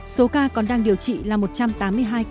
số ca còn đang điều trị là một trăm tám mươi hai ca